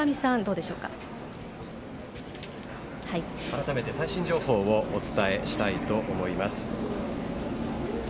改めて最新情報をお伝えしたいと思います。